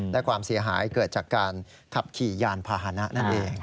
และความเสียหายเกิดจากการขับขี่ยานพาหนะนั่นเอง